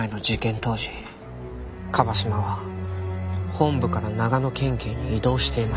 当時椛島は本部から長野県警に異動していました。